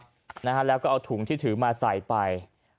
งั้นอย่างน้าแล้วก็เอาถุงที่ถือมาใส่ไป